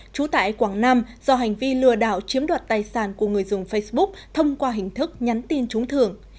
trú tại quảng nam do hành vi lừa đảo chiếm đoạt tài sản của người dùng facebook thông qua hình thức nhắn tin trúng thưởng